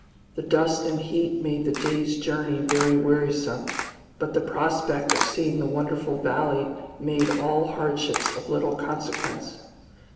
The dust and heat made the day's journey very wearisome, but the prospect of seeing the wonderful valley made all hardships of little consequence.